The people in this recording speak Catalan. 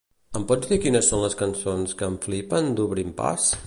Em pots dir quines són les cançons que em flipen d'Obrint Pas?